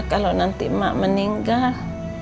kalau nanti mak meninggal